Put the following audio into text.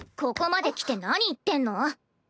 ここまで来て何言ってんの？